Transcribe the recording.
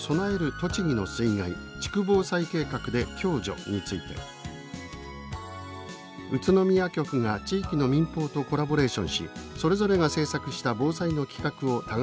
とちぎの水害“地区防災計画”で共助」について「宇都宮局が地域の民放とコラボレーションしそれぞれが制作した防災の企画を互いに放送していた。